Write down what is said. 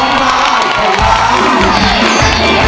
ร้องได้